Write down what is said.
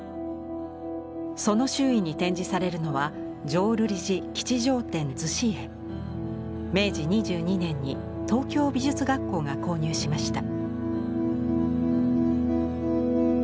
その周囲に展示されるのは明治２２年に東京美術学校が購入しました。